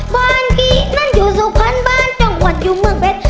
บ้านพี่นั้นอยู่สุขันต์บ้านจ้องหวัดอยู่เมืองเผ็ด